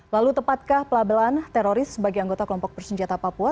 lalu tepatkah pelabelan teroris sebagai anggota kelompok bersenjata papua